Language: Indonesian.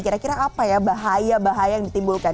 kira kira apa ya bahaya bahaya yang ditimbulkan